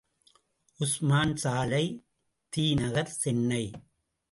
உஸ்மான் சாலை, தி.நகர், சென்னை